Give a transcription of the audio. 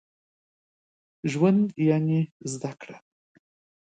ژوند يعني زده کړه.